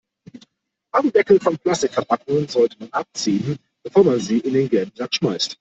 Aludeckel von Plastikverpackungen sollte man abziehen, bevor man sie in den gelben Sack schmeißt.